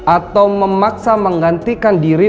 atau memaksa menggantikan diri